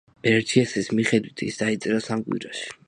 ბერჯესის მიხედვით ის დაიწერა სამ კვირაში.